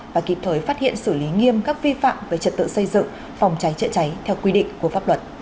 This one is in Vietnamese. và kịp thời phát hiện xử lý nghiêm các vi phạm về trật tự xây dựng phòng cháy chữa cháy theo quy định của pháp luật